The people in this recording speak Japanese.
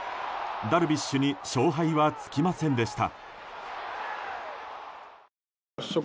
ダルビッシュに勝敗はつきませんでした。